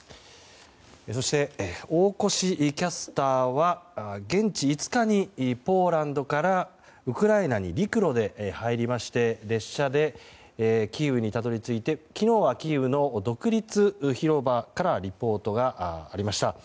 そして、大越キャスターは現地５日にポーランドからウクライナに陸路で入りまして列車でキーウにたどり着いて昨日はキーウの独立広場からリポートがありました。